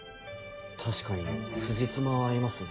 確かにつじつまは合いますね。